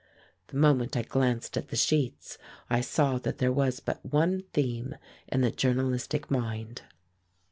The moment I glanced at the sheets I saw that there was but one theme in the journalistic mind.